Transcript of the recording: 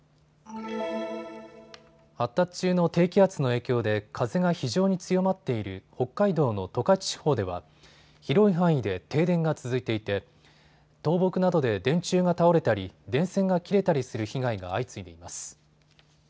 発達中の低気圧の影響で風が非常に強まっている北海道の十勝地方では広い範囲で停電が続いていて倒木などで電柱が倒れたり電線が切れたりする被害が相次いでいます。